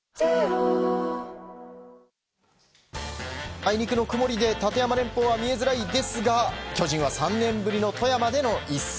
あいにくの曇りで立山連峰は見えづらいですが巨人は３年ぶりの富山での一戦。